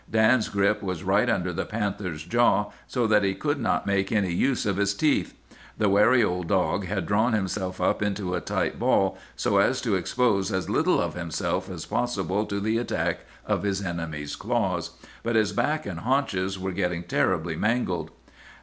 Dan's grip was right under the panther's jaw, so that he could not make any use of his teeth. The wary old dog had drawn himself up into a tight ball, so as to expose as little of himself as possible to the attack of his enemy's claws. But his back and haunches were getting terribly mangled.